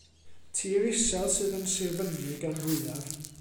Tir isel sydd yn Sir Fynwy gan fwyaf.